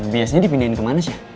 biasanya dipindahin kemana sih ya